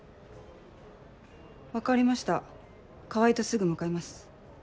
分かりました川合とすぐ向かいます。